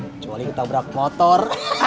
kecuali kita berak motor